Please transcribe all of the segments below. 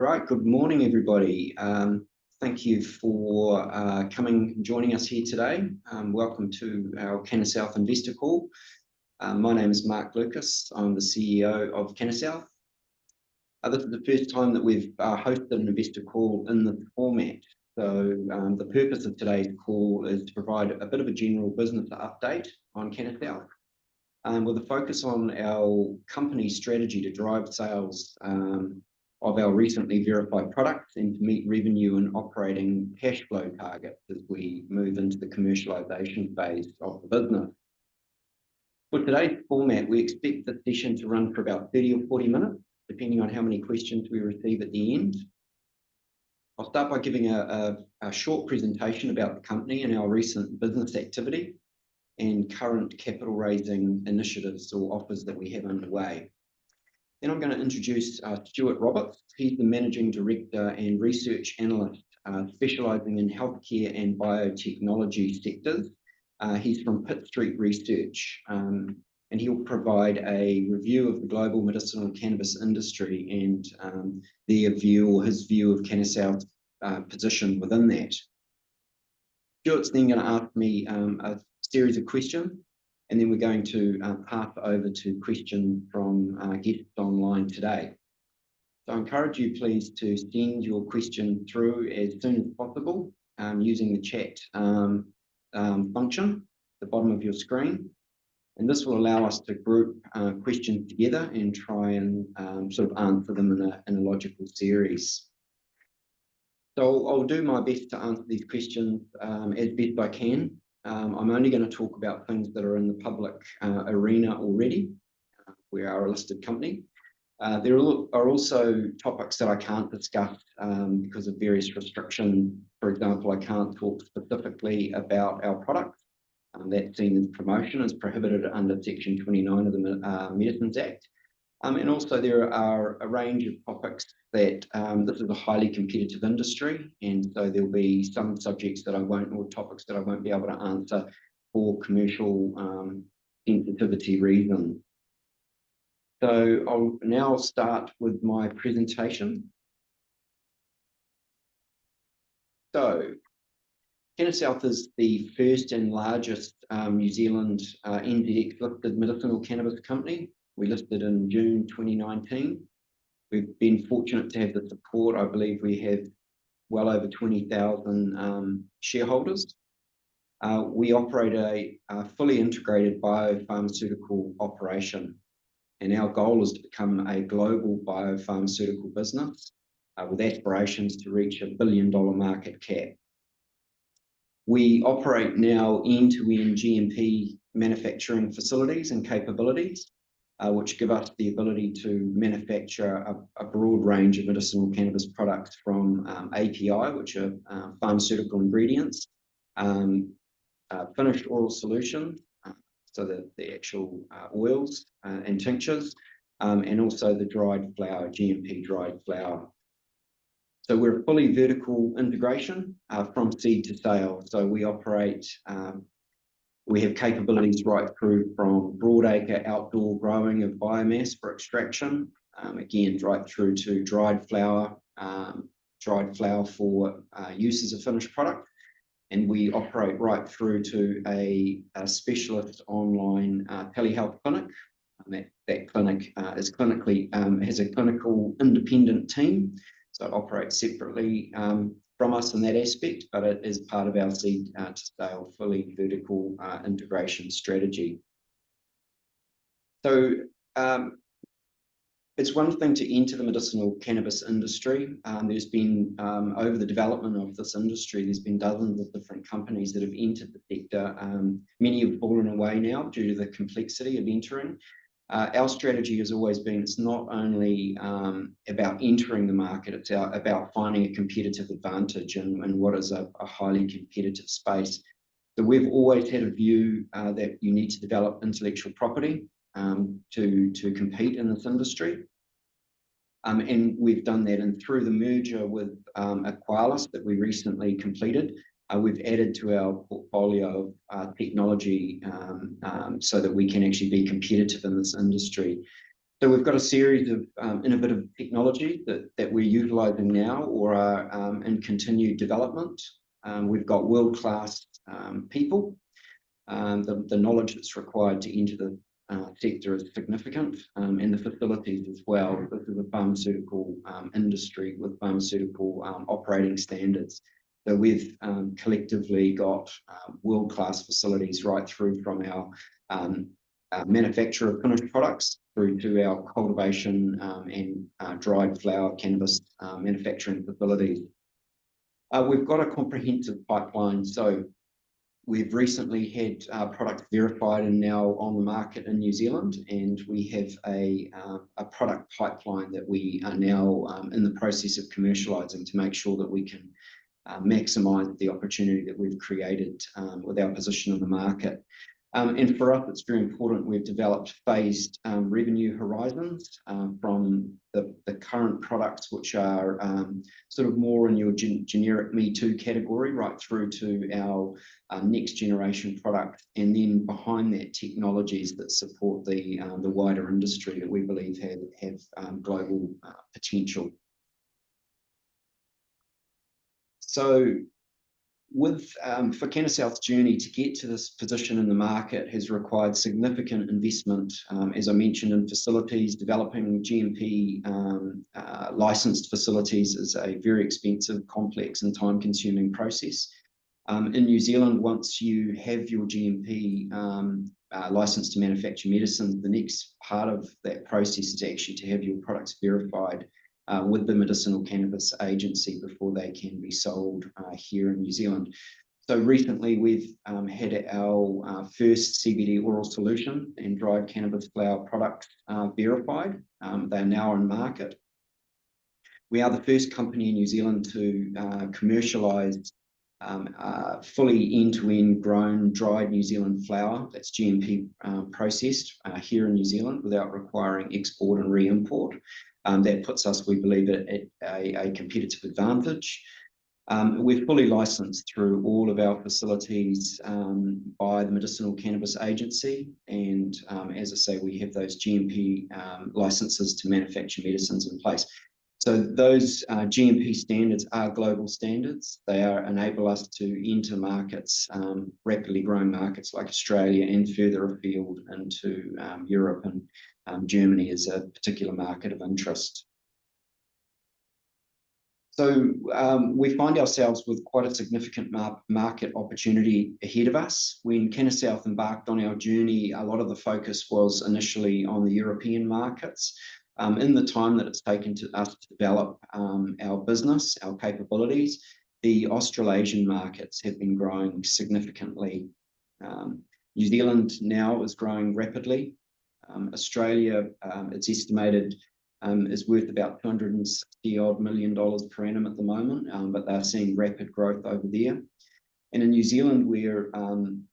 All right. Good morning, everybody. Thank you for coming and joining us here today. Welcome to our Cannasouth Investor Call. My name is Mark Lucas. I'm the CEO of Cannasouth. This is the first time that we've hosted an investor call in this format. The purpose of today's call is to provide a bit of a general business update on Cannasouth, with a focus on our company strategy to drive sales of our recently verified products and to meet revenue and operating cash flow targets as we move into the commercialization phase of the business. For today's format, we expect the session to run for about 30 or 40 minutes, depending on how many questions we receive at the end. I'll start by giving a short presentation about the company and our recent business activity and current capital raising initiatives or offers that we have underway. Then I'm gonna introduce Stuart Roberts. He's the Managing Director and Research Analyst specializing in healthcare and biotechnology sectors. He's from Pitt Street Research, and he'll provide a review of the global medicinal cannabis industry and their view or his view of Cannasouth position within that. Stuart's then gonna ask me a series of questions, and then we're going to hop over to questions from guests online today. So I encourage you, please, to send your question through as soon as possible, using the chat function at the bottom of your screen, and this will allow us to group questions together and try and sort of answer them in a logical series. So I'll do my best to answer these questions as best I can. I'm only gonna talk about things that are in the public arena already. We are a listed company. There are also topics that I can't discuss because of various restrictions. For example, I can't talk specifically about our products that seen as promotion is prohibited under Section 29 of the Medicines Act. And also there are a range of topics that this is a highly competitive industry, and so there'll be some subjects that I won't... or topics that I won't be able to answer for commercial sensitivity reasons. So I'll now start with my presentation. So, Cannasouth is the first and largest, New Zealand, NZX-listed medicinal cannabis company. We listed in June 2019. We've been fortunate to have the support. I believe we have well over 20,000 shareholders. We operate a fully integrated biopharmaceutical operation, and our goal is to become a global biopharmaceutical business, with aspirations to reach a billion-dollar market cap. We operate now end-to-end GMP manufacturing facilities and capabilities, which give us the ability to manufacture a broad range of medicinal cannabis products from API, which are pharmaceutical ingredients, finished oil solution, so the actual oils and tinctures, and also the dried flower, GMP dried flower. So we're a fully vertical integration from seed to sale. So we operate, we have capabilities right through from broad acre outdoor growing of biomass for extraction, again, right through to dried flower, dried flower for use as a finished product, and we operate right through to a specialist online telehealth clinic. That clinic has a clinically independent team, so operates separately from us in that aspect, but it is part of our seed to sale, fully vertical integration strategy. So, it's one thing to enter the medicinal cannabis industry. There's been, over the development of this industry, there's been dozens of different companies that have entered the sector. Many have fallen away now due to the complexity of entering. Our strategy has always been, it's not only about entering the market, it's about finding a competitive advantage in what is a highly competitive space. But we've always had a view that you need to develop intellectual property to compete in this industry. And we've done that, and through the merger with Eqalis that we recently completed, we've added to our portfolio of technology so that we can actually be competitive in this industry. So we've got a series of innovative technology that we're utilizing now or are in continued development. We've got world-class people. The knowledge that's required to enter the sector is significant, and the facilities as well. This is a pharmaceutical industry with pharmaceutical operating standards. So we've collectively got world-class facilities right through from our manufacturer of finished products, through to our cultivation and dried flower cannabis manufacturing facility. We've got a comprehensive pipeline, so we've recently had our product verified and now on the market in New Zealand, and we have a product pipeline that we are now in the process of commercializing to make sure that we can maximize the opportunity that we've created with our position in the market. And for us, it's very important we've developed phased revenue horizons from the current products, which are sort of more in your generic me too category, right through to our next generation product, and then behind that, technologies that support the wider industry that we believe have global potential. So, for Cannasouth's journey to get to this position in the market has required significant investment, as I mentioned, in facilities. Developing GMP licensed facilities is a very expensive, complex, and time-consuming process. In New Zealand, once you have your GMP license to manufacture medicine, the next part of that process is actually to have your products verified with the Medicinal Cannabis Agency before they can be sold here in New Zealand. So recently, we've had our first CBD oral solution and dried cannabis flower products verified. They are now on market. We are the first company in New Zealand to commercialise fully end-to-end grown, dried New Zealand flower that's GMP processed here in New Zealand without requiring export and re-import. That puts us, we believe, at a competitive advantage. We're fully licensed through all of our facilities by the Medicinal Cannabis Agency, and as I say, we have those GMP licenses to manufacture medicines in place. So those GMP standards are global standards. They enable us to enter markets, rapidly growing markets like Australia and further afield into Europe, and Germany is a particular market of interest. So we find ourselves with quite a significant market opportunity ahead of us. When Cannasouth embarked on our journey, a lot of the focus was initially on the European markets. In the time that it's taken to us to develop our business, our capabilities, the Australasian markets have been growing significantly. New Zealand now is growing rapidly. Australia, it's estimated, is worth about 260-odd million dollars per annum at the moment, but they're seeing rapid growth over there. And in New Zealand, we're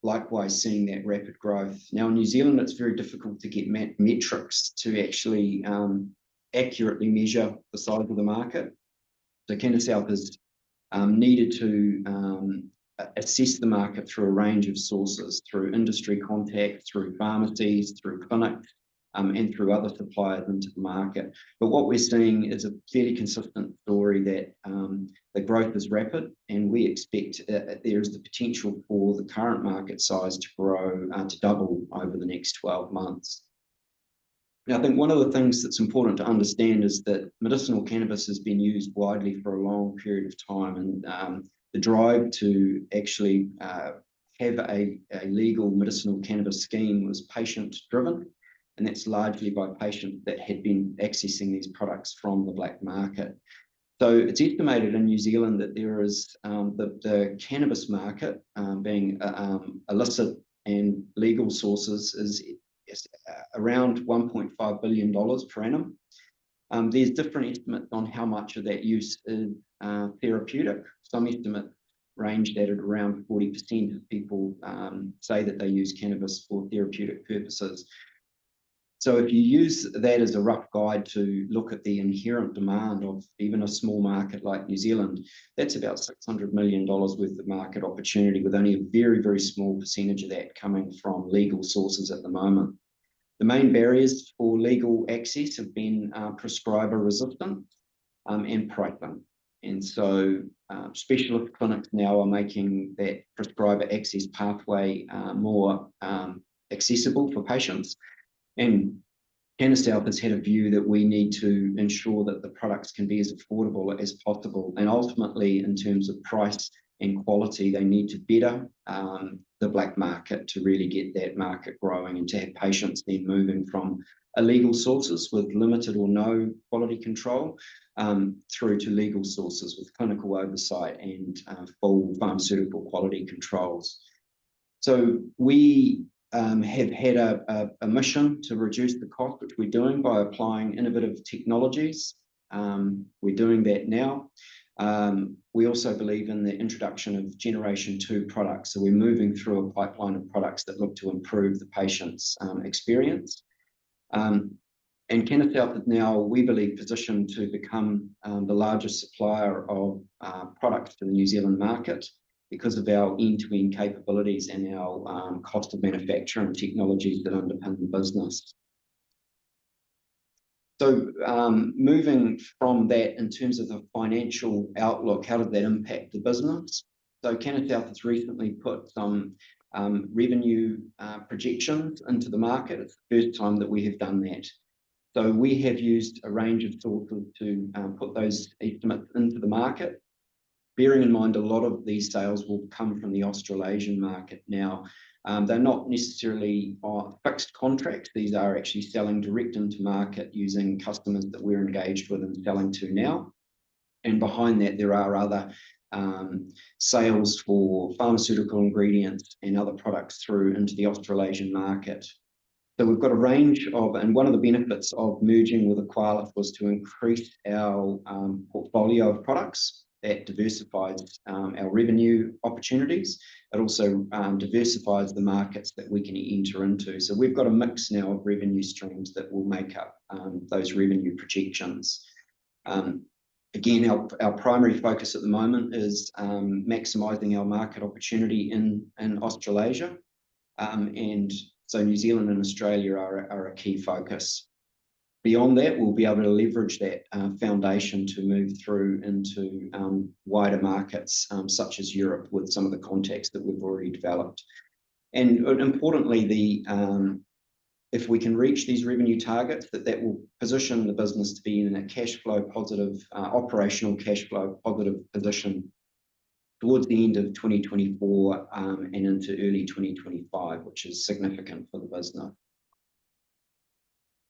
likewise seeing that rapid growth. Now, in New Zealand, it's very difficult to get metrics to actually accurately measure the size of the market. So Cannasouth has needed to assess the market through a range of sources, through industry contact, through pharmacies, through clinics, and through other suppliers into the market. But what we're seeing is a fairly consistent story that the growth is rapid, and we expect there is the potential for the current market size to grow to double over the next 12 months. Now, I think one of the things that's important to understand is that medicinal cannabis has been used widely for a long period of time, and the drive to actually have a legal medicinal cannabis scheme was patient-driven, and that's largely by patient that had been accessing these products from the black market. So it's estimated in New Zealand that there is that the cannabis market being illicit and legal sources is around 1.5 billion dollars per annum. There's different estimates on how much of that use is therapeutic. Some estimate range that at around 40% of people say that they use cannabis for therapeutic purposes. So if you use that as a rough guide to look at the inherent demand of even a small market like New Zealand, that's about 600 million dollars worth of market opportunity, with only a very, very small percentage of that coming from legal sources at the moment. The main barriers for legal access have been prescriber resistance and pricing. So specialist clinics now are making that prescriber access pathway more accessible for patients. Cannasouth has had a view that we need to ensure that the products can be as affordable as possible, and ultimately, in terms of price and quality, they need to better the black market to really get that market growing and to have patients then moving from illegal sources with limited or no quality control through to legal sources with clinical oversight and full pharmaceutical quality controls. So we have had a mission to reduce the cost, which we're doing by applying innovative technologies. We're doing that now. We also believe in the introduction of Generation Two products, so we're moving through a pipeline of products that look to improve the patient's experience. And Cannasouth is now, we believe, positioned to become the largest supplier of product to the New Zealand market because of our end-to-end capabilities and our cost of manufacturing technologies that underpin the business. So, moving from that, in terms of the financial outlook, how did that impact the business? So Cannasouth has recently put some revenue projections into the market. It's the first time that we have done that. So we have used a range of tools to put those estimates into the market. Bearing in mind, a lot of these sales will come from the Australasian market. Now, they're not necessarily fixed contract. These are actually selling direct into market using customers that we're engaged with and selling to now. Behind that, there are other sales for pharmaceutical ingredients and other products through into the Australasian market. So we've got a range of. And one of the benefits of merging with Eqalis was to increase our portfolio of products. That diversifies our revenue opportunities. It also diversifies the markets that we can enter into. So we've got a mix now of revenue streams that will make up those revenue projections. Again, our primary focus at the moment is maximizing our market opportunity in Australasia. And so New Zealand and Australia are a key focus. Beyond that, we'll be able to leverage that foundation to move through into wider markets such as Europe, with some of the contacts that we've already developed. Importantly, if we can reach these revenue targets, that that will position the business to be in a cash flow positive, operational cash flow positive position towards the end of 2024, and into early 2025, which is significant for the business.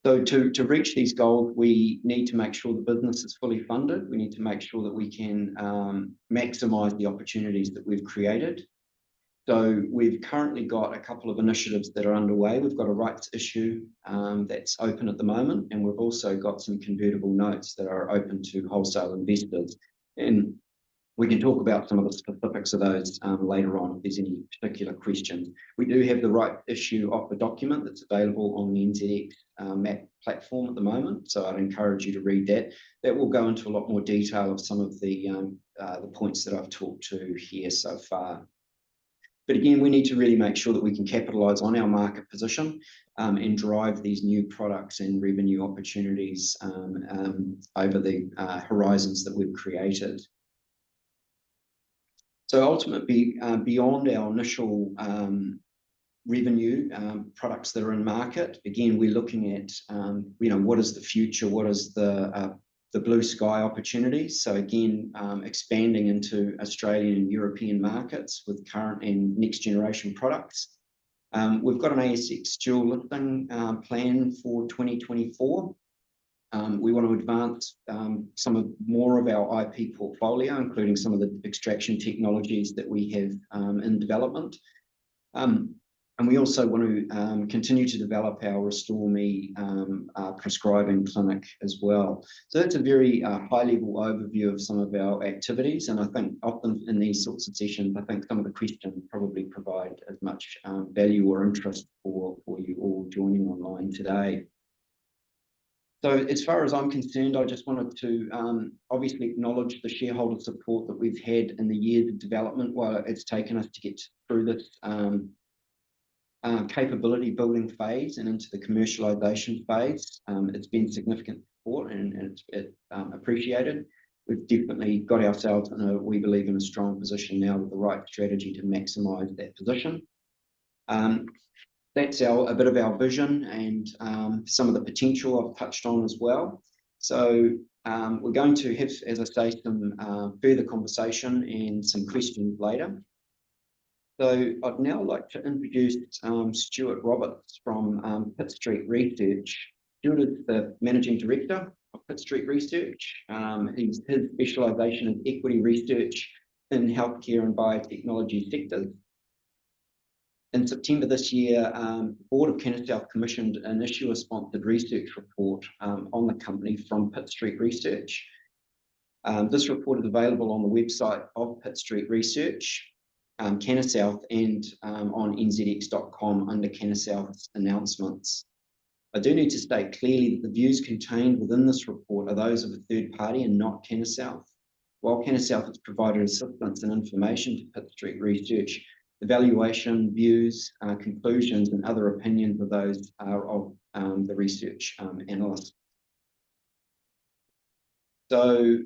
So to reach this goal, we need to make sure the business is fully funded. We need to make sure that we can maximize the opportunities that we've created. So we've currently got a couple of initiatives that are underway. We've got a rights issue that's open at the moment, and we've also got some convertible notes that are open to wholesale investors, and we can talk about some of the specifics of those, later on if there's any particular questions. We do have the rights issue of the document that's available on the NZX MAP platform at the moment, so I'd encourage you to read that. That will go into a lot more detail of some of the points that I've talked to here so far. But again, we need to really make sure that we can capitalize on our market position and drive these new products and revenue opportunities over the horizons that we've created. So ultimately, beyond our initial revenue products that are in market, again, we're looking at, you know, what is the future? What is the blue sky opportunity? So again, expanding into Australian and European markets with current and next-generation products. We've got an ASX dual listing plan for 2024. We want to advance some more of our IP portfolio, including some of the extraction technologies that we have in development. And we also want to continue to develop our RestoreMe prescribing clinic as well. So that's a very high-level overview of some of our activities, and I think often in these sorts of sessions some of the questions probably provide as much value or interest for you all joining online today. So as far as I'm concerned, I just wanted to obviously acknowledge the shareholder support that we've had in the years of development, while it's taken us to get through this capability-building phase and into the commercialization phase. It's been significant support and it appreciated. We've definitely got ourselves in a, we believe, in a strong position now with the right strategy to maximize that position. That's our, a bit of our vision and, some of the potential I've touched on as well. So, we're going to have, as I say, some further conversation and some questions later. So I'd now like to introduce, Stuart Roberts from, Pitt Street Research. Stuart is the Managing Director of Pitt Street Research. His specialization in equity research in healthcare and biotechnology sectors. In September this year, Board of Cannasouth commissioned an issuer-sponsored research report, on the company from Pitt Street Research. This report is available on the website of Pitt Street Research, Cannasouth, and, on NZX.com under Cannasouth's announcements. I do need to state clearly that the views contained within this report are those of a third party and not Cannasouth. While Cannasouth has provided assistance and information to Pitt Street Research, the valuation, views, conclusions, and other opinions are those of the research analyst. So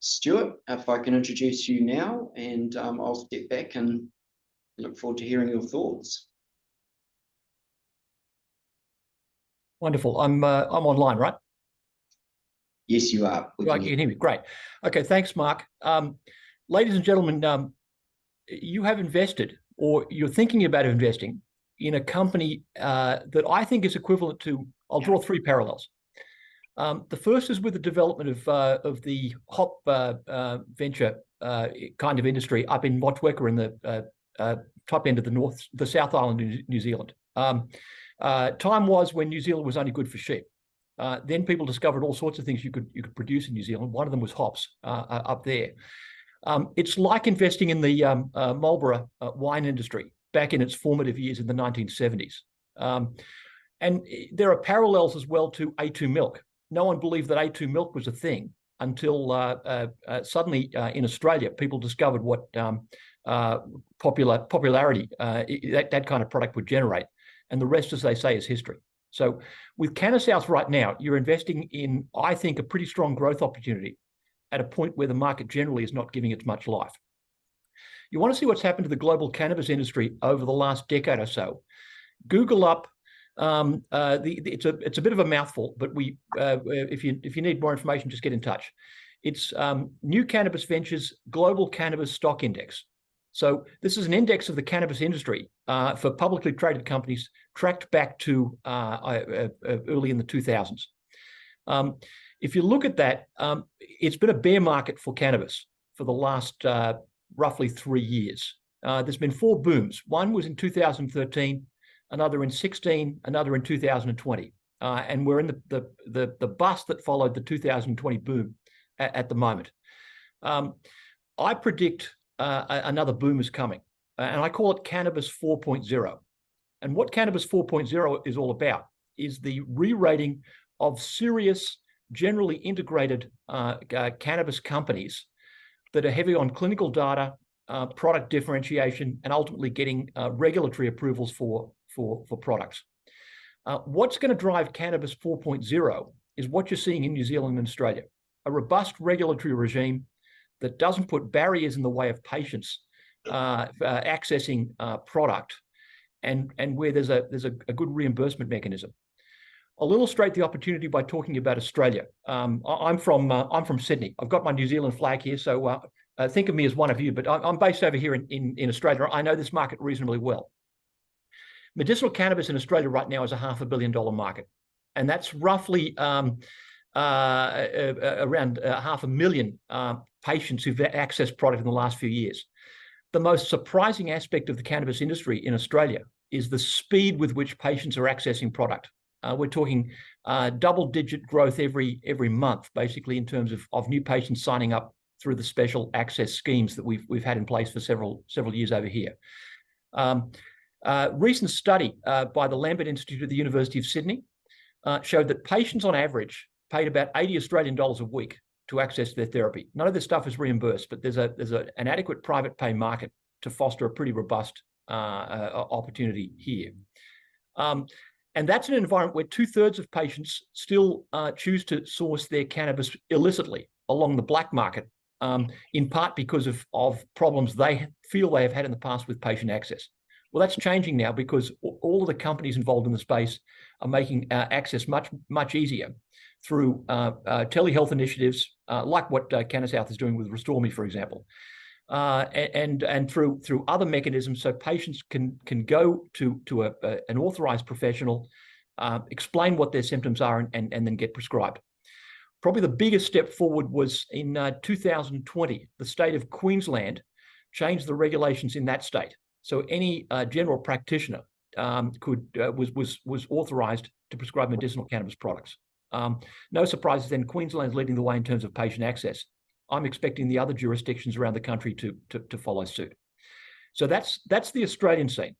Stuart, if I can introduce you now, and I'll step back and look forward to hearing your thoughts. Wonderful. I'm, I'm online, right? Yes, you are. Right, you can hear me, great. Okay, thanks, Mark. Ladies and gentlemen, you have invested, or you're thinking about investing in a company that I think is equivalent to... I'll draw three parallels. The first is with the development of the hop venture kind of industry up in Motueka, in the top end of the South Island in New Zealand. Time was when New Zealand was only good for sheep. Then people discovered all sorts of things you could produce in New Zealand. One of them was hops up there. It's like investing in the Marlborough wine industry back in its formative years in the 1970s. And there are parallels as well to a2 Milk. No one believed that A2 Milk was a thing until suddenly in Australia people discovered what popularity that kind of product would generate, and the rest, as they say, is history. So with Cannasouth right now, you're investing in, I think, a pretty strong growth opportunity at a point where the market generally is not giving it much life. You wanna see what's happened to the global cannabis industry over the last decade or so? Google up the New Cannabis Ventures Global Cannabis Stock Index. It's a bit of a mouthful, but if you need more information, just get in touch. So this is an index of the cannabis industry for publicly traded companies tracked back to early in the 2000s. If you look at that, it's been a bear market for cannabis for the last, roughly three years. There's been four booms. One was in 2013, another in 2016, another in 2020. And we're in the bust that followed the 2020 boom at the moment. I predict another boom is coming, and I call it Cannabis 4.0. And what Cannabis 4.0 is all about is the rewriting of serious, generally integrated cannabis companies that are heavy on clinical data, product differentiation, and ultimately getting regulatory approvals for products. What's gonna drive Cannabis 4.0 is what you're seeing in New Zealand and Australia, a robust regulatory regime that doesn't put barriers in the way of patients accessing product, and where there's a good reimbursement mechanism. I'll illustrate the opportunity by talking about Australia. I'm from Sydney. I've got my New Zealand flag here, so think of me as one of you, but I'm based over here in Australia. I know this market reasonably well. Medicinal cannabis in Australia right now is a 500 million dollar market, and that's roughly around 500,000 patients who've accessed product in the last few years. The most surprising aspect of the cannabis industry in Australia is the speed with which patients are accessing product. We're talking double-digit growth every month, basically, in terms of new patients signing up through the special access schemes that we've had in place for several years over here. A recent study by the Lambert Institute of the University of Sydney showed that patients on average paid about 80 Australian dollars a week to access their therapy. None of this stuff is reimbursed, but there's an adequate private pay market to foster a pretty robust opportunity here. And that's an environment where two-thirds of patients still choose to source their cannabis illicitly along the black market, in part because of problems they feel they have had in the past with patient access. Well, that's changing now because all the companies involved in the space are making access much, much easier through telehealth initiatives like what Cannasouth is doing with Restore Me, for example. And through other mechanisms, so patients can go to an authorized professional, explain what their symptoms are, and then get prescribed. Probably the biggest step forward was in 2020. The state of Queensland changed the regulations in that state, so any general practitioner was authorized to prescribe medicinal cannabis products. No surprises then, Queensland's leading the way in terms of patient access. I'm expecting the other jurisdictions around the country to follow suit. So that's the Australian scene.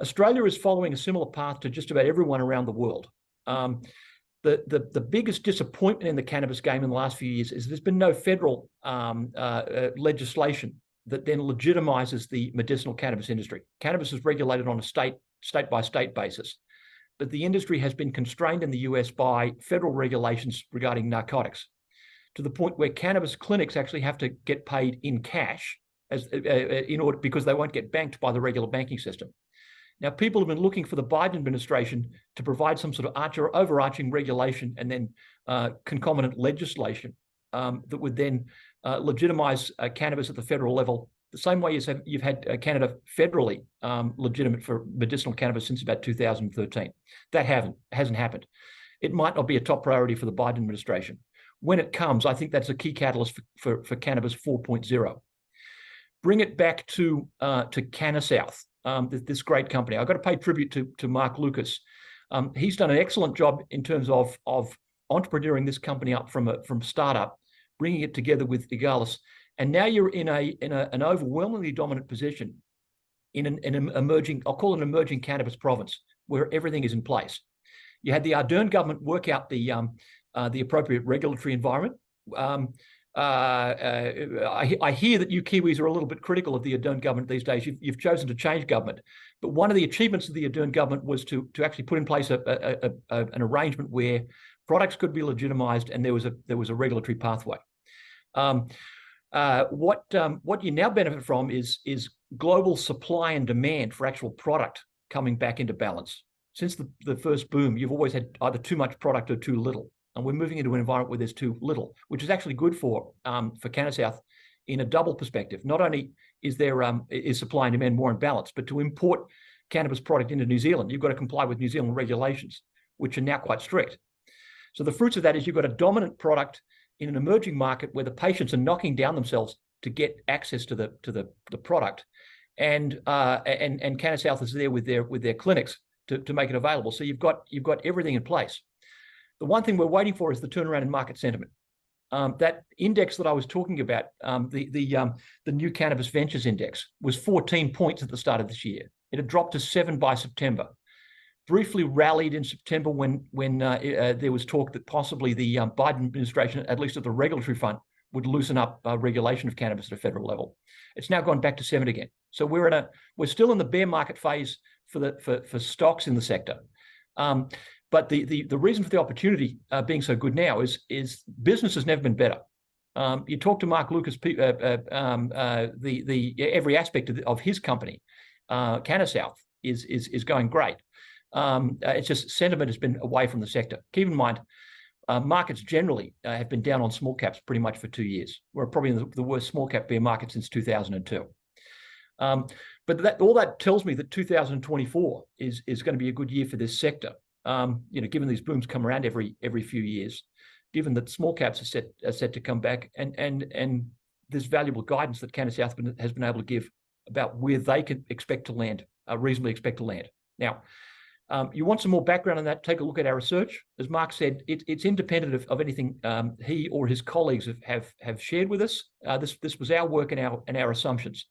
Australia is following a similar path to just about everyone around the world. The biggest disappointment in the cannabis game in the last few years is there's been no federal legislation that then legitimizes the medicinal cannabis industry. Cannabis is regulated on a state, state-by-state basis, but the industry has been constrained in the U.S. by federal regulations regarding narcotics, to the point where cannabis clinics actually have to get paid in cash, as... because they won't get banked by the regular banking system. Now, people have been looking for the Biden administration to provide some sort of arch or overarching regulation and then concomitant legislation that would then legitimizes cannabis at the federal level, the same way as you've had Canada federally legitimate for medicinal cannabis since about 2013. That hasn't happened. It might not be a top priority for the Biden administration. When it comes, I think that's a key catalyst for for Cannabis 4.0. Bring it back to Cannasouth, this great company. I've got to pay tribute to Mark Lucas. He's done an excellent job in terms of entrepreneuring this company up from startup, bringing it together with Eqalis, and now you're in an overwhelmingly dominant position in an emerging cannabis province, where everything is in place. You had the Ardern government work out the appropriate regulatory environment. I hear that you Kiwis are a little bit critical of the Ardern government these days. You've chosen to change government, but one of the achievements of the Ardern government was to actually put in place an arrangement where products could be legitimised, and there was a regulatory pathway. What you now benefit from is global supply and demand for actual product coming back into balance. Since the first boom, you've always had either too much product or too little, and we're moving into an environment where there's too little, which is actually good for Cannasouth in a double perspective. Not only is there supply and demand more in balance, but to import cannabis product into New Zealand, you've got to comply with New Zealand regulations, which are now quite strict. So the fruits of that is you've got a dominant product in an emerging market where the patients are knocking down themselves to get access to the product, and Cannasouth is there with their clinics to make it available. So you've got everything in place. The one thing we're waiting for is the turnaround in market sentiment. That index that I was talking about, the New Cannabis Ventures Index, was 14 points at the start of this year. It had dropped to seven by September. Briefly rallied in September when there was talk that possibly the Biden administration, at least at the regulatory front, would loosen up regulation of cannabis at a federal level. It's now gone back to seven again, so we're at a... We're still in the bear market phase for the stocks in the sector. But the reason for the opportunity being so good now is business has never been better. You talk to Mark Lucas, every aspect of his company, Cannasouth, is going great. It's just sentiment has been away from the sector. Keep in mind, markets generally have been down on small caps pretty much for two years. We're probably in the worst small cap bear market since 2002. But that all tells me that 2024 is gonna be a good year for this sector, you know, given these booms come around every few years, given that small caps are set to come back, and this valuable guidance that Cannasouth has been able to give about where they can expect to land, reasonably expect to land. You want some more background on that, take a look at our research. As Mark said, it's independent of anything he or his colleagues have shared with us. This was our work and our assumptions.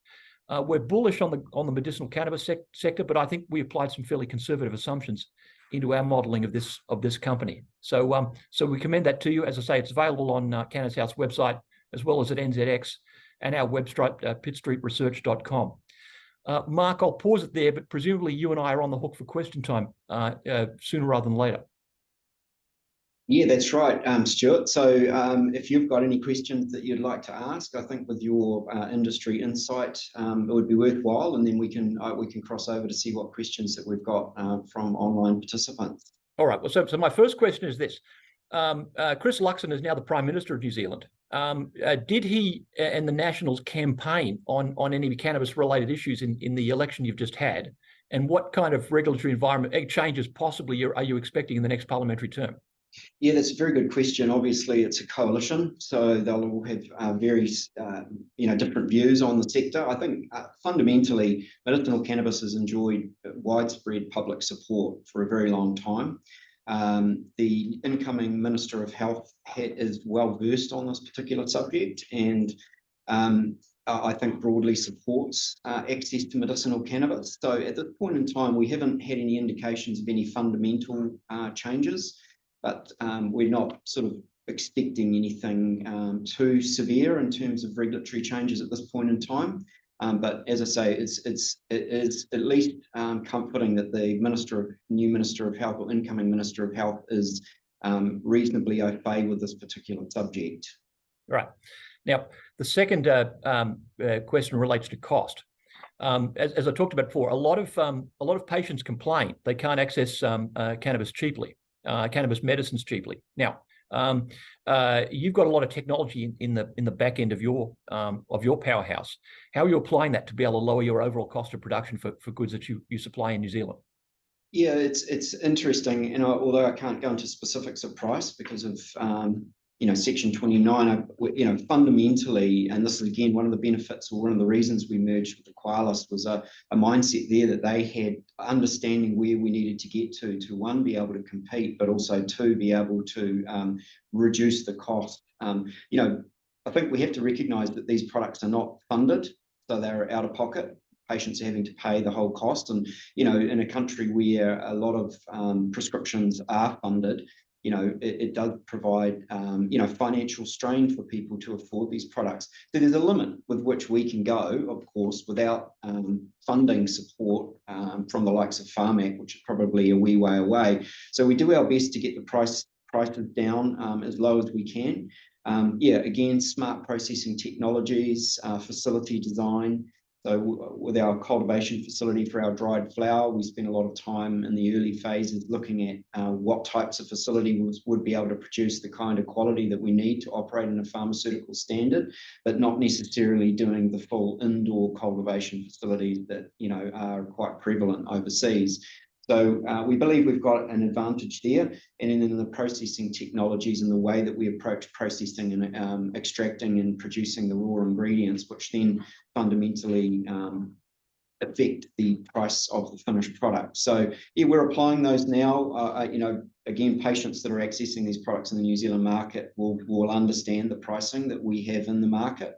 We're bullish on the medicinal cannabis sector, but I think we applied some fairly conservative assumptions into our modeling of this company. So we recommend that to you. As I say, it's available on Cannasouth's website, as well as at NZX and our website, Pitt Street Research.com. Mark, I'll pause it there, but presumably you and I are on the hook for question time sooner rather than later. Yeah, that's right, Stuart. So, if you've got any questions that you'd like to ask, I think with your industry insight, it would be worthwhile, and then we can cross over to see what questions that we've got from online participants. All right. Well, so my first question is this, Chris Luxon is now the Prime Minister of New Zealand. Did he and the Nationals campaign on any cannabis-related issues in the election you've just had? And what kind of regulatory environment changes possibly are you expecting in the next parliamentary term? Yeah, that's a very good question. Obviously, it's a coalition, so they'll all have various, you know, different views on the sector. I think fundamentally, medicinal cannabis has enjoyed widespread public support for a very long time. The incoming Minister of Health is well-versed on this particular subject and I think broadly supports access to medicinal cannabis. So at this point in time, we haven't had any indications of any fundamental changes, but we're not sort of expecting anything too severe in terms of regulatory changes at this point in time. But as I say, it is at least comforting that the new Minister of Health or incoming Minister of Health is reasonably okay with this particular subject. Right. Now, the second question relates to cost. As I talked about before, a lot of patients complain they can't access cannabis cheaply, cannabis medicines cheaply. Now, you've got a lot of technology in the back end of your powerhouse. How are you applying that to be able to lower your overall cost of production for goods that you supply in New Zealand? Yeah, it's interesting, you know, although I can't go into specifics of price because of, you know, Section 29, you know, fundamentally, and this is again, one of the benefits or one of the reasons we merged with Eqalis, was a mindset there that they had understanding where we needed to get to one, be able to compete, but also, two, be able to reduce the cost. You know, I think we have to recognize that these products are not funded, so they're out-of-pocket, patients are having to pay the whole cost. And, you know, in a country where a lot of prescriptions are funded, you know, it does provide, you know, financial strain for people to afford these products. There is a limit with which we can go, of course, without funding support from the likes of PHARMAC, which is probably a wee way away. So we do our best to get the price, prices down as low as we can. Yeah, again, smart processing technologies, facility design. So with our cultivation facility for our dried flower, we spent a lot of time in the early phases looking at what types of facility would be able to produce the kind of quality that we need to operate in a pharmaceutical standard, but not necessarily doing the full indoor cultivation facility that, you know, are quite prevalent overseas. So, we believe we've got an advantage there, and in the processing technologies and the way that we approach processing and, extracting and producing the raw ingredients, which then fundamentally, affect the price of the finished product. So yeah, we're applying those now. You know, again, patients that are accessing these products in the New Zealand market will understand the pricing that we have in the market.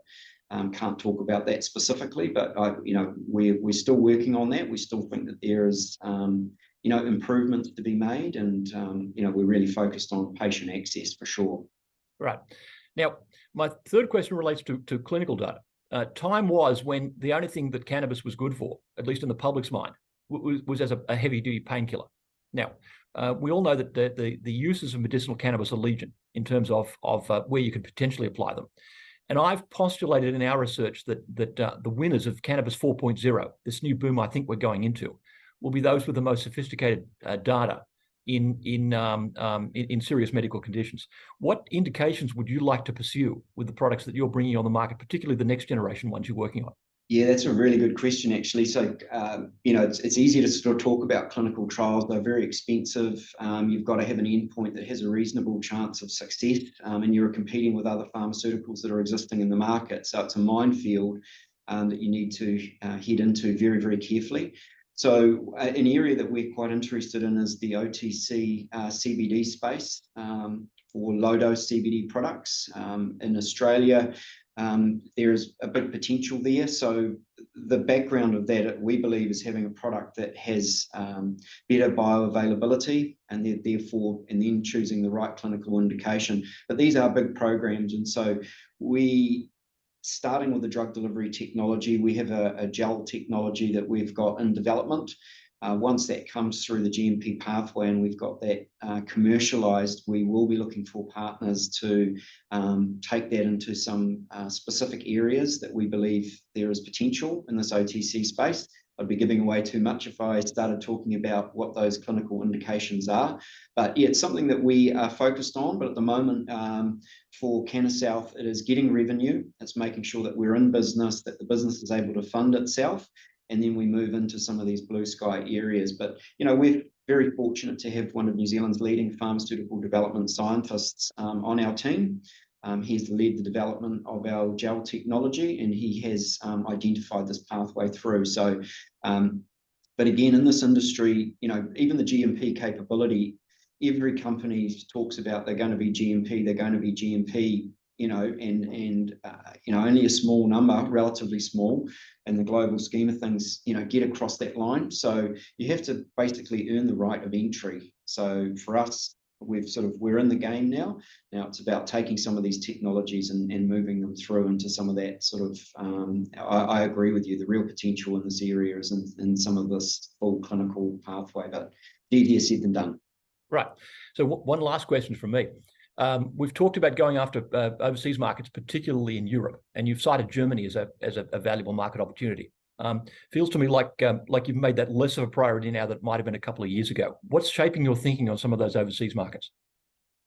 Can't talk about that specifically, but, you know, we're still working on that. We still think that there is, you know, improvements to be made and, you know, we're really focused on patient access for sure. Right. Now, my third question relates to clinical data. Time was when the only thing that cannabis was good for, at least in the public's mind, was as a heavy-duty painkiller. Now, we all know that the uses of medicinal cannabis are legion in terms of where you could potentially apply them. And I've postulated in our research that the winners of Cannabis 4.0, this new boom I think we're going into, will be those with the most sophisticated data in serious medical conditions. What indications would you like to pursue with the products that you're bringing on the market, particularly the next generation ones you're working on? Yeah, that's a really good question, actually. So, you know, it's easy to sort of talk about clinical trials. They're very expensive. You've got to have an endpoint that has a reasonable chance of success, and you're competing with other pharmaceuticals that are existing in the market. So it's a minefield, that you need to head into very, very carefully. So, an area that we're quite interested in is the OTC, CBD space, or low-dose CBD products. In Australia, there is a bit of potential there. So the background of that, we believe, is having a product that has better bioavailability and then therefore, and then choosing the right clinical indication. But these are big programs, and so we... Starting with the drug delivery technology, we have a gel technology that we've got in development. Once that comes through the GMP pathway and we've got that commercialized, we will be looking for partners to take that into some specific areas that we believe there is potential in this OTC space. I'd be giving away too much if I started talking about what those clinical indications are. But yeah, it's something that we are focused on, but at the moment, for Cannasouth, it is getting revenue. It's making sure that we're in business, that the business is able to fund itself, and then we move into some of these blue sky areas. But, you know, we're very fortunate to have one of New Zealand's leading pharmaceutical development scientists on our team. He's led the development of our gel technology, and he has identified this pathway through. So. But again, in this industry, you know, even the GMP capability, every company talks about they're gonna be GMP, they're gonna be GMP, you know, and, you know, only a small number, relatively small in the global scheme of things, you know, get across that line. So you have to basically earn the right of entry. So for us, we've sort of, we're in the game now. Now, it's about taking some of these technologies and moving them through into some of that sort of. I, I agree with you. The real potential in this area is in some of this full clinical pathway, but easier said than done. Right. So one last question from me. We've talked about going after overseas markets, particularly in Europe, and you've cited Germany as a valuable market opportunity. Feels to me like you've made that less of a priority now than it might have been a couple of years ago. What's shaping your thinking on some of those overseas markets?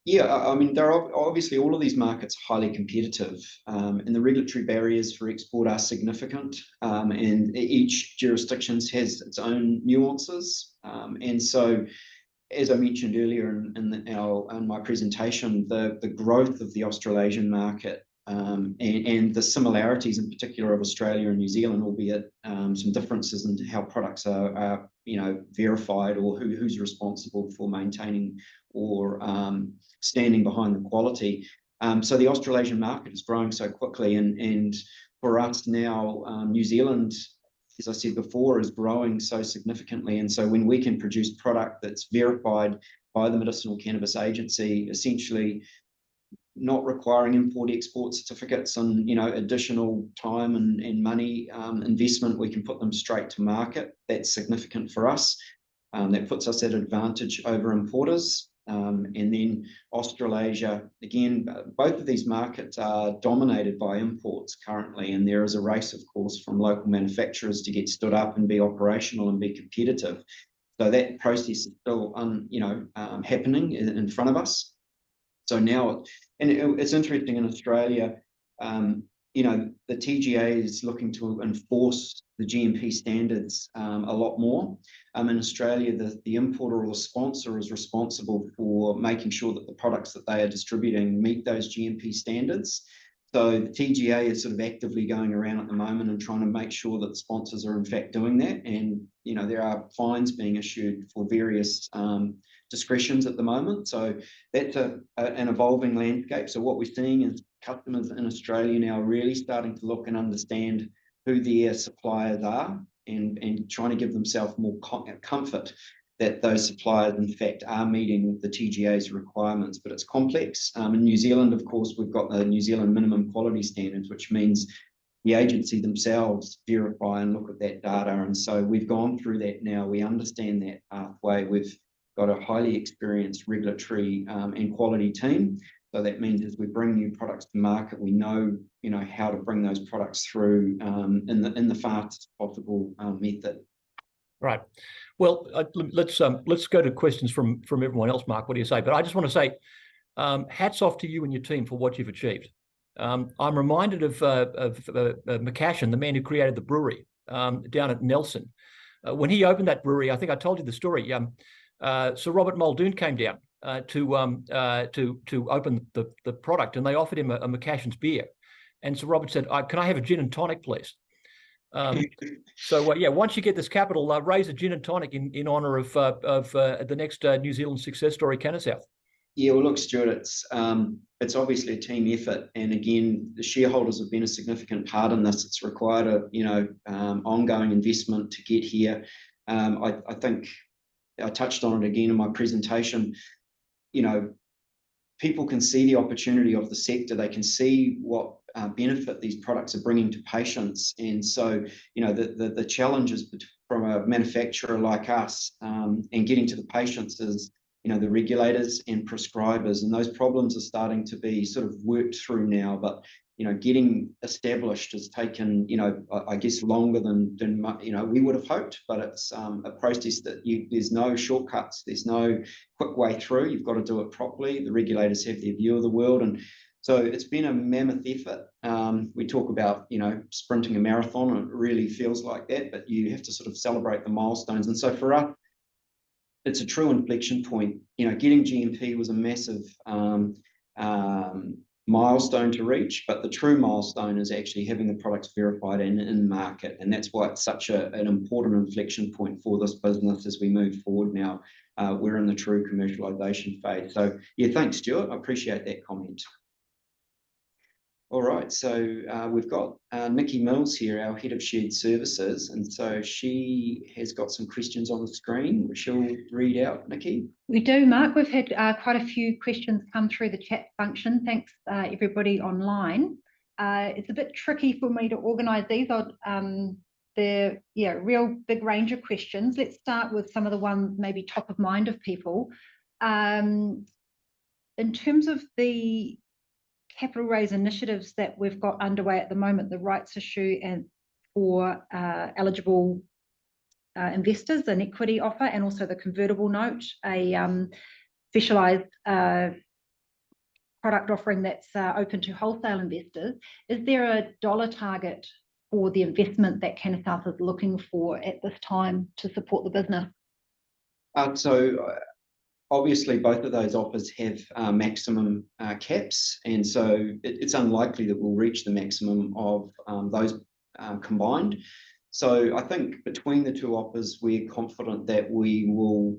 Yeah, I mean, they're obviously all of these markets are highly competitive, and the regulatory barriers for export are significant, and each jurisdictions has its own nuances. And so as I mentioned earlier in my presentation, the growth of the Australasian market, and the similarities in particular of Australia and New Zealand, albeit some differences in how products are, you know, verified or who's responsible for maintaining or standing behind the quality. So the Australasian market is growing so quickly, and for us now, New Zealand, as I said before, is growing so significantly. And so when we can produce product that's verified by the Medicinal Cannabis Agency, essentially not requiring import/export certificates and, you know, additional time and money investment, we can put them straight to market. That's significant for us, that puts us at an advantage over importers. And then Australasia, again, both of these markets are dominated by imports currently, and there is a race, of course, from local manufacturers to get stood up and be operational and be competitive. So that process is still you know, happening in front of us. So now. And it's interesting in Australia, you know, the TGA is looking to enforce the GMP standards a lot more. In Australia, the importer or the sponsor is responsible for making sure that the products that they are distributing meet those GMP standards. So the TGA is sort of actively going around at the moment and trying to make sure that sponsors are in fact doing that, and, you know, there are fines being issued for various discretions at the moment. So that's an evolving landscape. So what we're seeing is customers in Australia now are really starting to look and understand who their suppliers are and trying to give themselves more comfort that those suppliers, in fact, are meeting the TGA's requirements, but it's complex. In New Zealand, of course, we've got the New Zealand Minimum Quality Standards, which means the agency themselves verify and look at that data. And so we've gone through that now. We understand that pathway. We've got a highly experienced regulatory and quality team, so that means as we bring new products to market, we know, you know, how to bring those products through in the fastest possible method. Right. Well, let's go to questions from everyone else, Mark, what do you say? But I just want to say, hats off to you and your team for what you've achieved. I'm reminded of McCashin, the man who created the brewery, down at Nelson. When he opened that brewery, I think I told you the story, Sir Robert Muldoon came down to open the product, and they offered him a McCashin's beer. And Sir Robert said, "Can I have a gin and tonic, please?" So, well, yeah, once you get this capital, raise a gin and tonic in honor of the next New Zealand success story, Cannasouth. Yeah, well, look, Stuart, it's obviously a team effort, and again, the shareholders have been a significant part in this. It's required a, you know, ongoing investment to get here. I think I touched on it again in my presentation. You know, people can see the opportunity of the sector, they can see what benefit these products are bringing to patients. And so, you know, the challenges from a manufacturer like us in getting to the patients is, you know, the regulators and prescribers, and those problems are starting to be sort of worked through now. But, you know, getting established has taken, you know, I guess, longer than you know, we would have hoped, but it's a process that you-- there's no shortcuts, there's no quick way through. You've got to do it properly. The regulators have their view of the world, and so it's been a mammoth effort. We talk about, you know, sprinting a marathon, and it really feels like that, but you have to sort of celebrate the milestones. And so for us, it's a true inflection point. You know, getting GMP was a massive milestone to reach, but the true milestone is actually having the products verified and in the market, and that's why it's such an important inflection point for this business as we move forward now. We're in the true commercialization phase. So yeah, thanks, Stuart. I appreciate that comment. All right, so, we've got, Nikki Mills here, our Head of Shared Services, and so she has got some questions on the screen, which she'll read out. Nikki? We do, Mark. We've had quite a few questions come through the chat function. Thanks, everybody online. It's a bit tricky for me to organize these. They're real big range of questions. Let's start with some of the ones maybe top of mind of people. In terms of the capital raise initiatives that we've got underway at the moment, the rights issue and for eligible investors, an equity offer, and also the convertible note, a specialized product offering that's open to wholesale investors. Is there a dollar target for the investment that Cannasouth is looking for at this time to support the business?... And so, obviously both of those offers have maximum caps, and so it's unlikely that we'll reach the maximum of those combined. So I think between the two offers, we're confident that we will,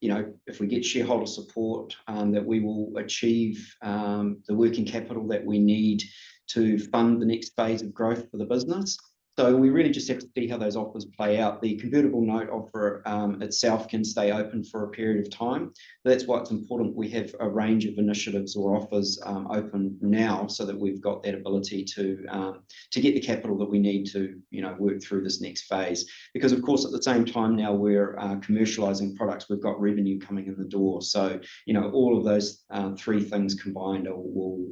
you know, if we get shareholder support, that we will achieve the working capital that we need to fund the next phase of growth for the business. So we really just have to see how those offers play out. The convertible note offer itself can stay open for a period of time, but that's why it's important we have a range of initiatives or offers open now, so that we've got that ability to get the capital that we need to, you know, work through this next phase. Because, of course, at the same time now we're commercializing products, we've got revenue coming in the door. So, you know, all of those three things combined will,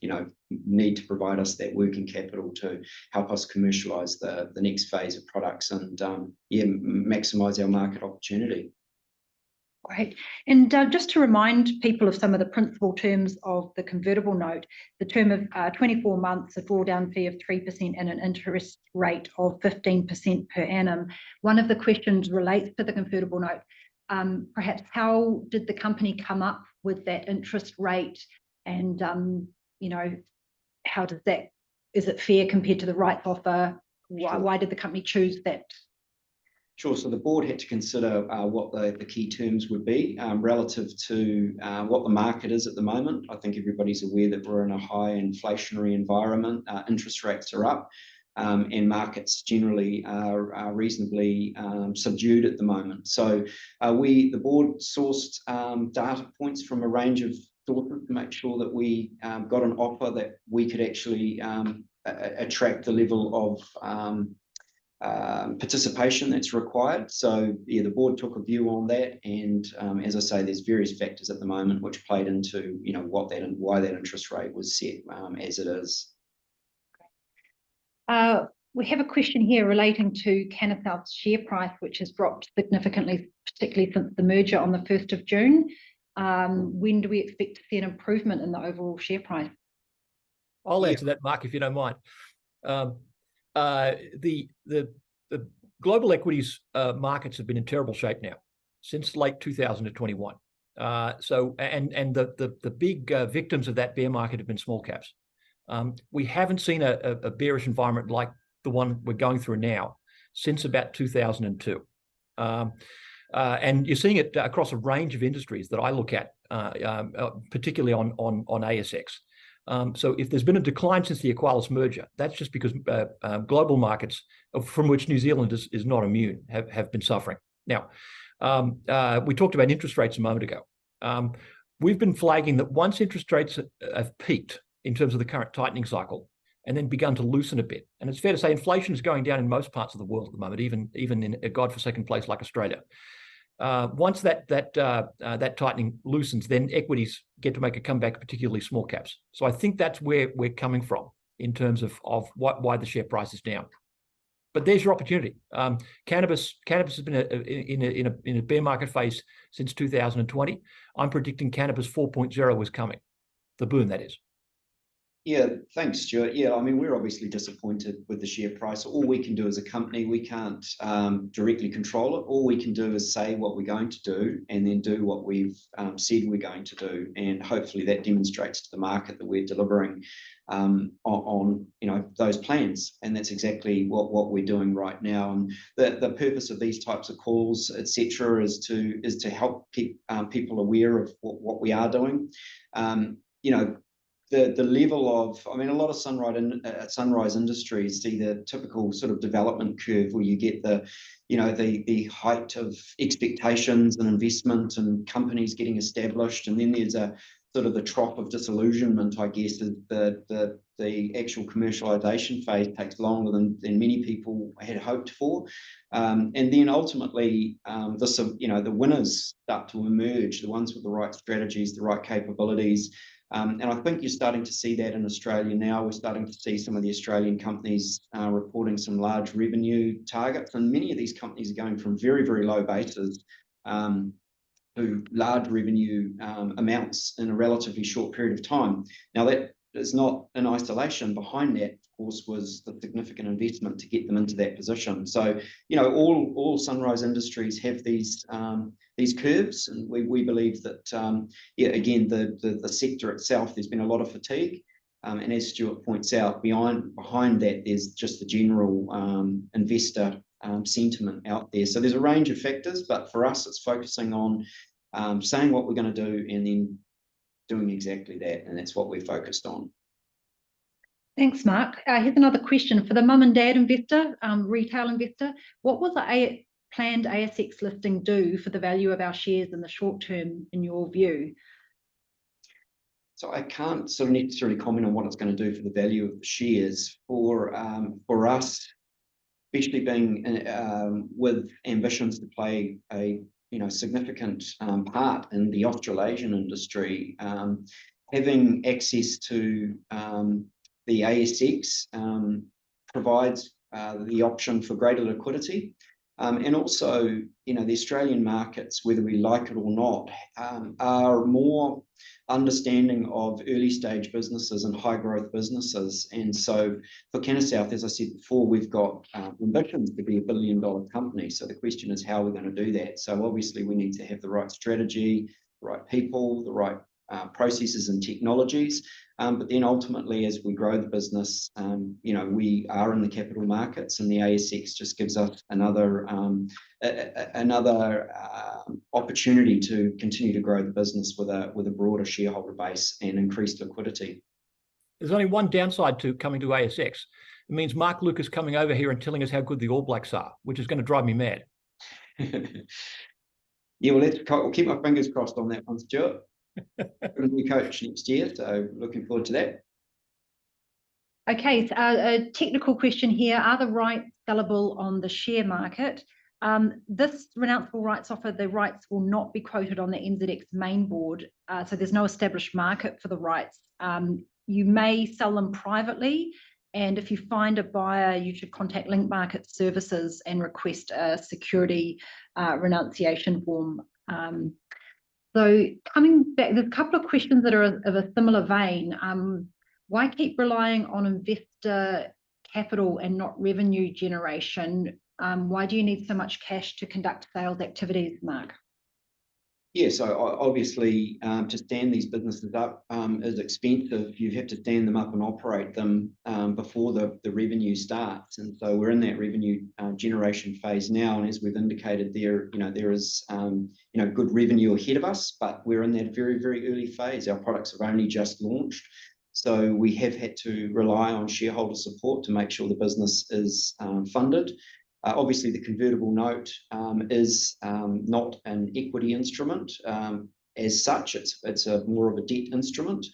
you know, need to provide us that working capital to help us commercialize the next phase of products and, yeah, maximize our market opportunity. Great. And, just to remind people of some of the principal terms of the convertible note, the term of 24 months, a drawdown fee of 3% and an interest rate of 15% per annum. One of the questions relates to the convertible note. Perhaps how did the company come up with that interest rate and, you know, how does that... Is it fair compared to the rights offer? Sure. Why did the company choose that? Sure. So the board had to consider what the key terms would be relative to what the market is at the moment. I think everybody's aware that we're in a high inflationary environment. Interest rates are up, and markets generally are reasonably subdued at the moment. So, the board sourced data points from a range of sources to make sure that we got an offer that we could actually attract the level of participation that's required. So yeah, the board took a view on that and, as I say, there's various factors at the moment which played into, you know, what that and why that interest rate was set as it is. Great. We have a question here relating to Cannasouth's share price, which has dropped significantly, particularly since the merger on the 1st of June. When do we expect to see an improvement in the overall share price? I'll answer that, Mark, if you don't mind. The global equities markets have been in terrible shape now since late 2021. And the big victims of that bear market have been small caps. We haven't seen a bearish environment like the one we're going through now since about 2002. And you're seeing it across a range of industries that I look at, particularly on ASX. So if there's been a decline since the Eqalis merger, that's just because global markets, from which New Zealand is not immune, have been suffering. We talked about interest rates a moment ago. We've been flagging that once interest rates have peaked in terms of the current tightening cycle and then begun to loosen a bit, and it's fair to say inflation is going down in most parts of the world at the moment, even in a God-forsaken place like Australia. Once that tightening loosens, then equities get to make a comeback, particularly small caps. So I think that's where we're coming from in terms of why the share price is down. But there's your opportunity. Cannabis has been in a bear market phase since 2020. I'm predicting Cannabis 4.0 is coming. The boom, that is. Yeah. Thanks, Stuart. Yeah, I mean, we're obviously disappointed with the share price. All we can do as a company, we can't directly control it. All we can do is say what we're going to do, and then do what we've said we're going to do, and hopefully that demonstrates to the market that we're delivering on, you know, those plans. And that's exactly what we're doing right now. And the purpose of these types of calls, et cetera, is to help people aware of what we are doing. You know, the level of... I mean, a lot of sunrise industries see the typical sort of development curve, where you get the, you know, the height of expectations and investment and companies getting established, and then there's a sort of a trough of disillusionment, I guess, as the actual commercialization phase takes longer than many people had hoped for. And then ultimately, the, you know, the winners start to emerge, the ones with the right strategies, the right capabilities. And I think you're starting to see that in Australia now. We're starting to see some of the Australian companies reporting some large revenue targets, and many of these companies are going from very, very low bases to large revenue amounts in a relatively short period of time. Now, that is not in isolation. Behind that, of course, was the significant investment to get them into that position. So, you know, all sunrise industries have these curves, and we believe that, yeah, again, the sector itself, there's been a lot of fatigue. And as Stuart points out, behind that is just the general investor sentiment out there. So there's a range of factors, but for us, it's focusing on saying what we're gonna do and then doing exactly that, and that's what we're focused on. Thanks, Mark. I have another question. For the mum and dad investor, retail investor, what will the planned ASX listing do for the value of our shares in the short term, in your view? So I can't sort of necessarily comment on what it's gonna do for the value of the shares. For us, especially being with ambitions to play a, you know, significant part in the Australasian industry, having access to the ASX provides the option for greater liquidity. And also, you know, the Australian markets, whether we like it or not, are more understanding of early-stage businesses and high-growth businesses. And so for Cannasouth, as I said before, we've got ambitions to be a billion-dollar company. So the question is, how are we gonna do that? So obviously, we need to have the right strategy, the right people, the right processes and technologies. But then ultimately, as we grow the business, you know, we are in the capital markets, and the ASX just gives us another opportunity to continue to grow the business with a broader shareholder base and increased liquidity. There's only one downside to coming to ASX. It means Mark Lucas coming over here and telling us how good the All Blacks are, which is gonna drive me mad. Yeah, well, let's keep my fingers crossed on that one, Stuart. Got a new coach next year, so looking forward to that. Okay, so a technical question here: Are the rights sellable on the share market? This renounceable rights offer, the rights will not be quoted on the NZX Main Board. So there's no established market for the rights. You may sell them privately, and if you find a buyer, you should contact Link Market Services and request a security renunciation form. So coming back, there's a couple of questions that are of a similar vein. Why keep relying on investor capital and not revenue generation? Why do you need so much cash to conduct sales activities, Mark? Yeah, so obviously, to stand these businesses up, is expensive. You have to stand them up and operate them, before the revenue starts. So we're in that revenue generation phase now, and as we've indicated, there, you know, there is, you know, good revenue ahead of us, but we're in that very, early phase. Our products have only just launched. So we have had to rely on shareholder support to make sure the business is funded. Obviously, the convertible note is not an equity instrument. As such, it's more of a debt instrument.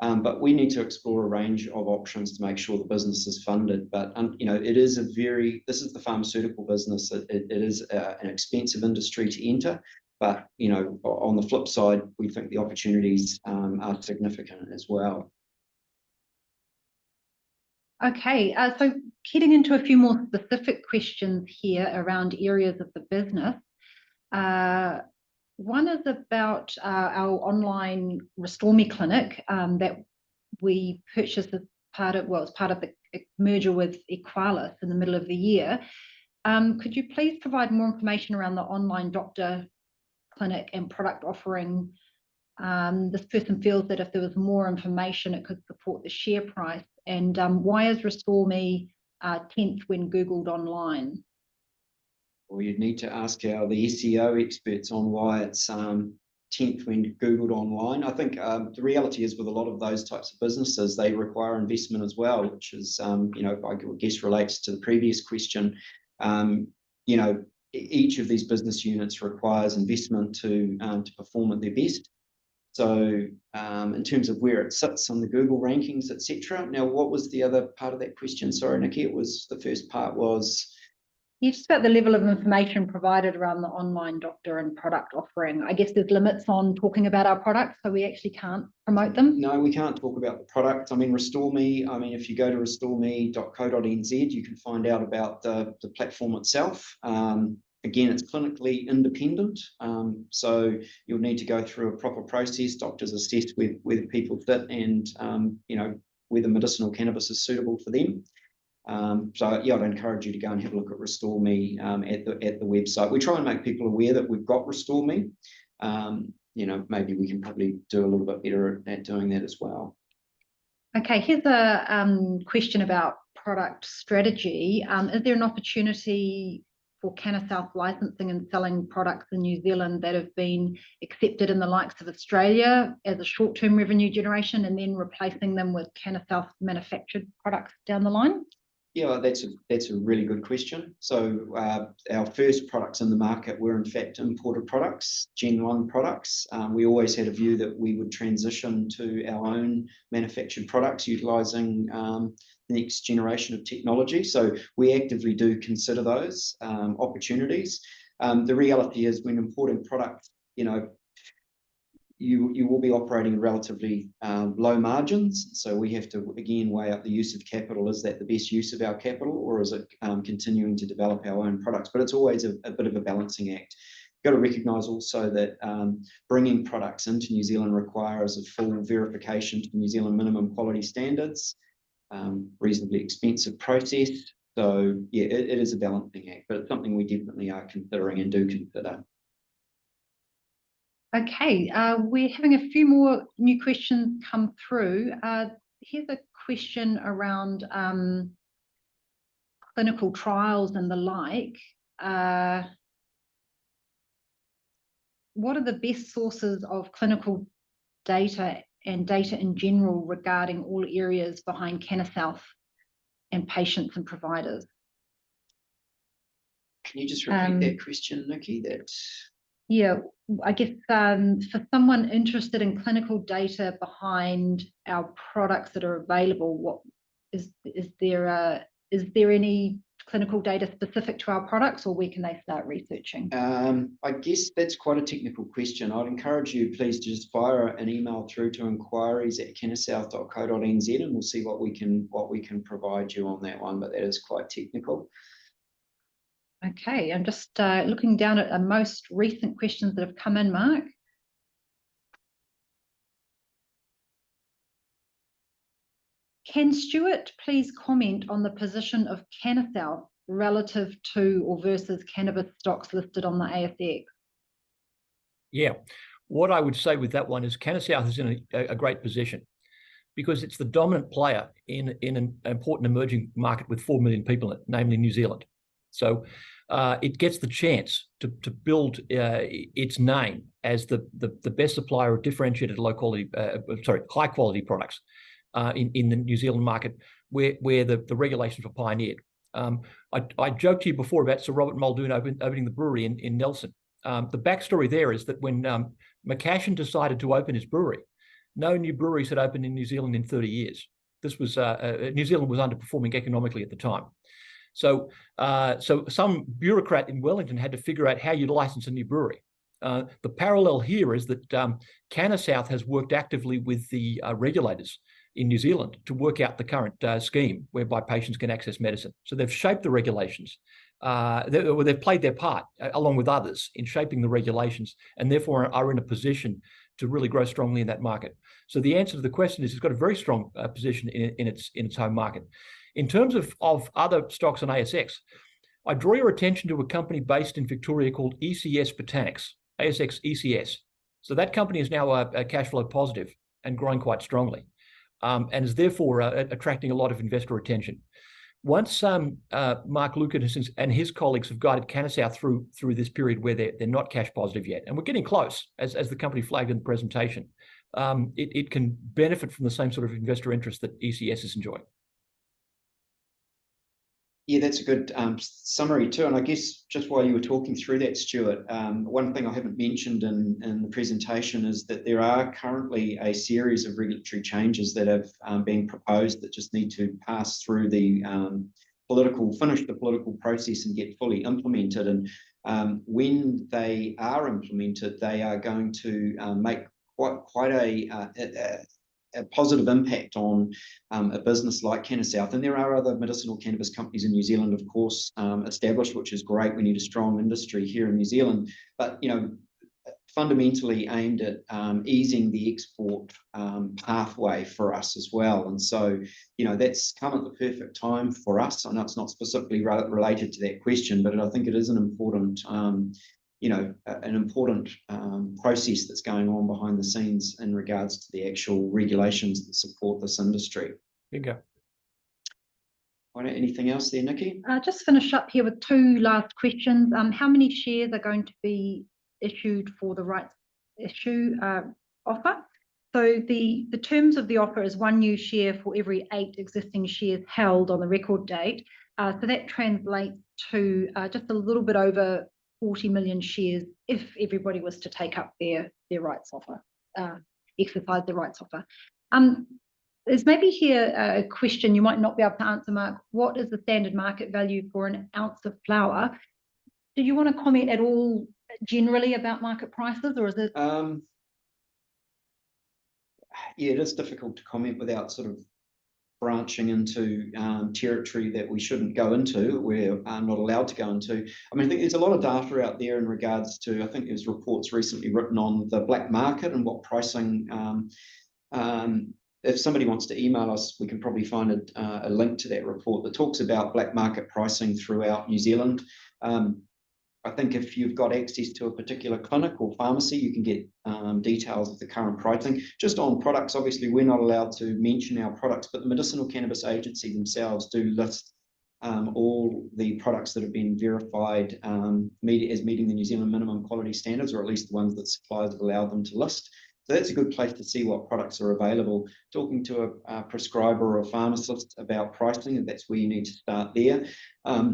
But we need to explore a range of options to make sure the business is funded. But you know, it is a very... This is the pharmaceutical business. It is an expensive industry to enter, but, you know, on the flip side, we think the opportunities are significant as well. Okay, so getting into a few more specific questions here around areas of the business. One is about our online Restore Me clinic that we purchased as part of, well, as part of the merger with Eqalis in the middle of the year. Could you please provide more information around the online doctor clinic and product offering? This person feels that if there was more information, it could support the share price. And why is Restore Me tenth when Googled online? Well, you'd need to ask our, the SEO experts on why it's tenth when Googled online. I think the reality is, with a lot of those types of businesses, they require investment as well, which is, you know, I guess relates to the previous question. You know, each of these business units requires investment to perform at their best. So, in terms of where it sits on the Google rankings, et cetera... Now, what was the other part of that question? Sorry, Nikki, it was, the first part was- Yeah, just about the level of information provided around the online doctor and product offering. I guess there's limits on talking about our products, so we actually can't promote them. No, we can't talk about the product. I mean, Restore Me, I mean, if you go to restoreme.co.nz, you can find out about the platform itself. Again, it's clinically independent, so you'll need to go through a proper process. Doctors assess whether people fit and, you know, whether medicinal cannabis is suitable for them. So yeah, I'd encourage you to go and have a look at Restore Me, at the website. We try and make people aware that we've got Restore Me. You know, maybe we can probably do a little bit better at doing that as well. Okay, here's a question about product strategy. Is there an opportunity for Cannasouth licensing and selling products in New Zealand that have been accepted in the likes of Australia as a short-term revenue generation, and then replacing them with Cannasouth manufactured products down the line? Yeah, that's a really good question. So, our first products in the market were, in fact, imported products, Gen One products. We always had a view that we would transition to our own manufactured products, utilizing the next generation of technology. So we actively do consider those opportunities. The reality is, when importing product, you know, you will be operating at relatively low margins. So we have to, again, weigh up the use of capital. Is that the best use of our capital, or is it continuing to develop our own products? But it's always a bit of a balancing act. Got to recognize also that bringing products into New Zealand requires a full verification to New Zealand minimum quality standards, reasonably expensive process. So yeah, it is a balancing act, but it's something we definitely are considering and do consider. Okay, we're having a few more new questions come through. Here's a question around clinical trials and the like. What are the best sources of clinical data, and data in general, regarding all areas behind Cannasouth and patients and providers? Can you just- Um-... repeat that question, Nikki? That- Yeah. I guess, for someone interested in clinical data behind our products that are available, is there any clinical data specific to our products, or where can they start researching? I guess that's quite a technical question. I'd encourage you, please, to just fire an email through to enquiries@cannasouth.co.nz, and we'll see what we can, what we can provide you on that one, but that is quite technical.... Okay, I'm just, looking down at the most recent questions that have come in, Mark. Can Stuart please comment on the position of Cannasouth relative to or versus cannabis stocks listed on the ASX? Yeah. What I would say with that one is Cannasouth is in a great position because it's the dominant player in an important emerging market with 4 million people in it, namely New Zealand. So, it gets the chance to build its name as the best supplier of differentiated high-quality products in the New Zealand market, where the regulations were pioneered. I joked to you before about Sir Robert Muldoon opening the brewery in Nelson. The backstory there is that when McCashin decided to open his brewery, no new breweries had opened in New Zealand in 30 years. This was New Zealand was underperforming economically at the time. So, so some bureaucrat in Wellington had to figure out how you'd license a new brewery. The parallel here is that, Cannasouth has worked actively with the, regulators in New Zealand to work out the current, scheme whereby patients can access medicine. So they've shaped the regulations. They, well, they've played their part, along with others, in shaping the regulations, and therefore are in a position to really grow strongly in that market. So the answer to the question is, it's got a very strong, position in its, in its home market. In terms of other stocks on ASX, I draw your attention to a company based in Victoria called ECS Botanics, ASX ECS. So that company is now, a cash flow positive and growing quite strongly, and is therefore, attracting a lot of investor attention. Once, Mark Lucas and his colleagues have guided Cannasouth through this period where they're not cash positive yet, and we're getting close, as the company flagged in the presentation, it can benefit from the same sort of investor interest that ECS is enjoying. Yeah, that's a good summary, too. And I guess just while you were talking through that, Stuart, one thing I haven't mentioned in the presentation is that there are currently a series of regulatory changes that have been proposed that just need to pass through the political process and get fully implemented. And when they are implemented, they are going to make quite a positive impact on a business like Cannasouth. And there are other medicinal cannabis companies in New Zealand, of course, established, which is great. We need a strong industry here in New Zealand. But you know, fundamentally aimed at easing the export pathway for us as well, and so you know, that's come at the perfect time for us. I know it's not specifically related to that question, but I think it is an important, you know, an important process that's going on behind the scenes in regards to the actual regulations that support this industry. There you go. All right, anything else there, Nikki? Just finish up here with two last questions. How many shares are going to be issued for the rights issue offer? So the terms of the offer is 1 new share for every eight existing shares held on the record date. So that translates to just a little bit over 40 million shares if everybody was to take up their rights offer exercise their rights offer. There's maybe here a question you might not be able to answer, Mark: What is the standard market value for an ounce of flower? Do you want to comment at all generally about market prices, or is it- Yeah, it is difficult to comment without sort of branching into territory that we shouldn't go into. We're not allowed to go into. I mean, I think there's a lot of data out there in regards to... I think there's reports recently written on the black market and what pricing... If somebody wants to email us, we can probably find a link to that report that talks about black market pricing throughout New Zealand. I think if you've got access to a particular clinic or pharmacy, you can get details of the current pricing. Just on products, obviously, we're not allowed to mention our products, but the Medicinal Cannabis Agency themselves do list all the products that have been verified as meeting the New Zealand minimum quality standards, or at least the ones that suppliers have allowed them to list. So that's a good place to see what products are available. Talking to a prescriber or a pharmacist about pricing, and that's where you need to start there. But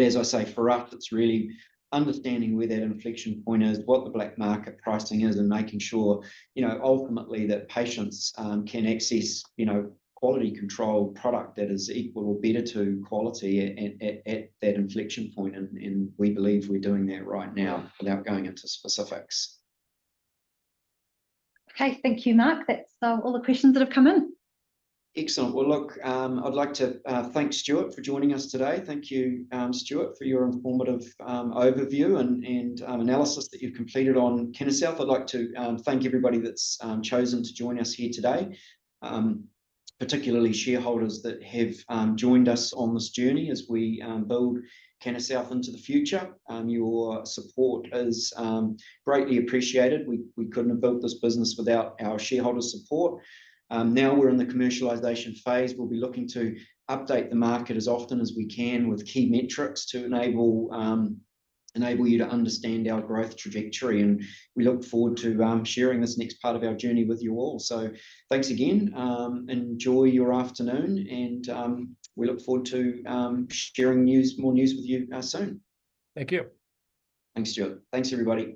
as I say, for us, it's really understanding where that inflection point is, what the black market pricing is, and making sure, you know, ultimately, that patients can access, you know, quality controlled product that is equal or better to quality at that inflection point. And we believe we're doing that right now, without going into specifics. Okay. Thank you, Mark. That's all the questions that have come in. Excellent. Well, look, I'd like to thank Stuart for joining us today. Thank you, Stuart, for your informative overview and analysis that you've completed on Cannasouth. I'd like to thank everybody that's chosen to join us here today, particularly shareholders that have joined us on this journey as we build Cannasouth into the future. Your support is greatly appreciated. We couldn't have built this business without our shareholders' support. Now we're in the commercialization phase. We'll be looking to update the market as often as we can with key metrics to enable you to understand our growth trajectory, and we look forward to sharing this next part of our journey with you all. So, thanks again. Enjoy your afternoon, and we look forward to sharing more news with you soon. Thank you. Thanks, Stuart. Thanks, everybody.